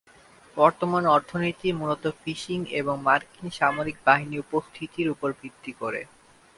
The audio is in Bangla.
বর্তমান অর্থনীতি মূলত ফিশিং এবং মার্কিন সামরিক বাহিনীর উপস্থিতির উপর ভিত্তি করে।